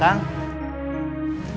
orang hanya bisa maju